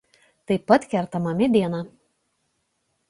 Taip pat kertama mediena.